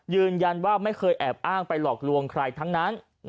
ยืนยันว่าไม่เคยแอบอ้างไปหลอกลวงใครทั้งนั้น